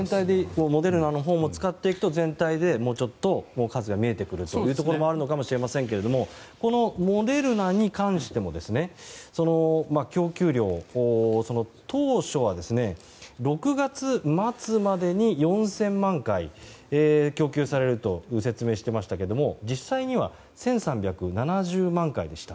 モデルナのほうも使っていくと全体でもうちょっと数が見えてくるところもあるかもしれませんがこのモデルナに関しても供給量、当初は６月末までに４０００万回供給されると説明していましたが実際には１３７０万回でした。